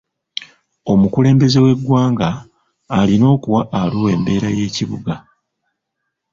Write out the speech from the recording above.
Omukulembeze w'eggwanga alina okuwa Arua embeera y'ekibuga.